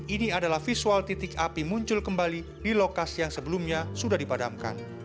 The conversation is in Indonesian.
ini adalah visual titik api muncul kembali di lokasi yang sebelumnya sudah dipadamkan